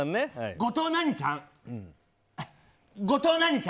後藤何ちゃん？